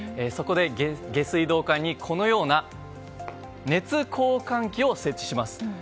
そこで下水道管にこのような熱交換器を設置します。